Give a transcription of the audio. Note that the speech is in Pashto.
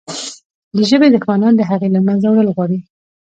د ژبې دښمنان د هغې له منځه وړل غواړي.